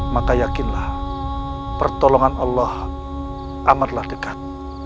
maka yakinlah pertolongan allah amatlah dekat